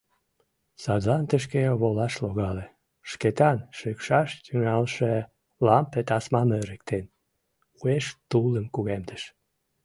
Садлан тышке волаш логале, — Шкетан, шикшаш тӱҥалше лампе тасмам эрыктен, уэш тулым кугемдыш.